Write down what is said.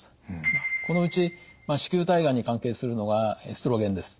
このうち子宮体がんに関係するのがエストロゲンです。